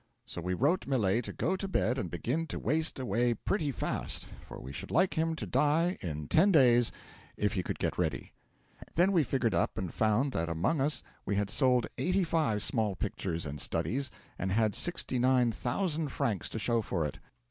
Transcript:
So we wrote Millet to go to bed and begin to waste away pretty fast, for we should like him to die in ten days if he could get ready. 'Then we figured up and found that among us we had sold eighty five small pictures and studies, and had sixty nine thousand francs to show for it.